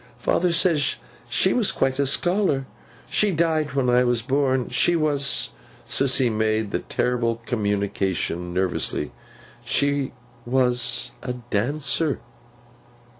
'Father says she was quite a scholar. She died when I was born. She was;' Sissy made the terrible communication nervously; 'she was a dancer.